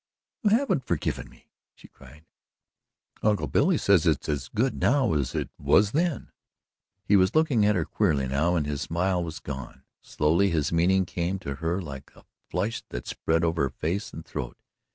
"You haven't forgiven me!" she cried. "Uncle Billy says it's as good now as it was then." He was looking at her queerly now and his smile was gone. Slowly his meaning came to her like the flush that spread over her face and throat.